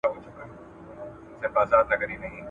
هر پاچا ورته لېږله سوغاتونه `